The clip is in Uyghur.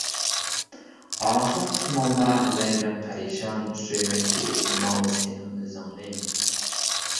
ئاخىرقى تۇمانلار لەيلەر پەرىشان، سۆيمەكچى ئېھتىمال سېنىڭ ئىزىڭنى.